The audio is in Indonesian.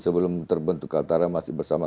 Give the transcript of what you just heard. sebelum terbentuk kaltara masih bersama